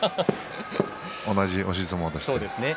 同じ押し相撲として。